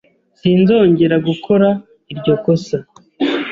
S Sinzongera gukora iryo kosa.